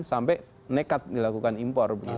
sampai nekat dilakukan impor